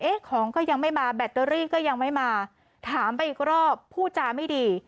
ของก็ยังไม่มาแบตเตอรี่ก็ยังไม่มาถามไปอีกรอบพูดจาไม่ดี